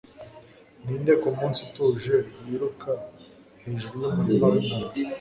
ninde kumunsi utuje yiruka hejuru yumurima wingano